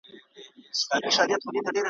د زلفو عطر دي د خیال له شبستانه نه ځي ,